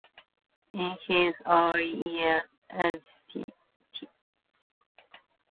In his early years as Tsar, Ivan showed great promise and potential.